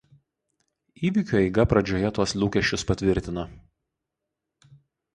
Įvykių eiga pradžioje tuos lūkesčius patvirtino.